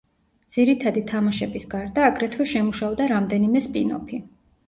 ძირითადი თამაშების გარდა, აგრეთვე შემუშავდა რამდენიმე სპინოფი.